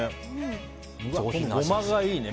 ゴマがいいね。